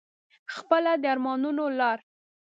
خپله د ارمانونو لار